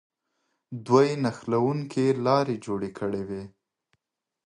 دوی نښلوونکې لارې جوړې کړې وې.